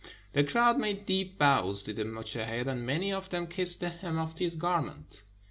The crowd made deep bows to the mujtehid, and many of them kissed the hem of his garment.